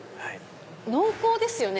濃厚ですよね。